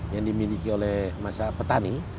yang dimiliki oleh masa petani